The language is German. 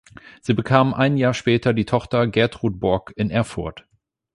Sie bekamen ein Jahr später die Tochter Gertrud Bork in Erfurt.